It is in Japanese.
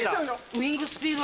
ウイングスピード。